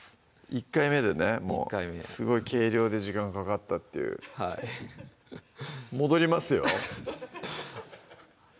１回目でねもうすごい計量で時間かかったっていうはい戻りますよ